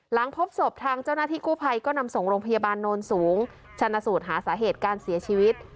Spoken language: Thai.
หลังพบศพทางเจ้าหน้าที่กู้ภัยก็นำส่งโรงพยาบาลโนนสูงชันสูตรหาสาเหตุการเสียชีวิต